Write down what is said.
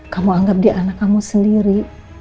kamu anggap dia anak kamu sendiri